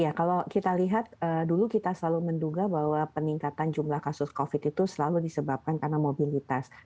ya kalau kita lihat dulu kita selalu menduga bahwa peningkatan jumlah kasus covid itu selalu disebabkan karena mobilitas